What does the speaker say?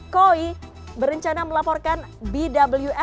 koi berencana melakukan peradilan yang berbeda